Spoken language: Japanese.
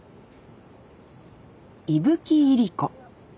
伊吹いりこ。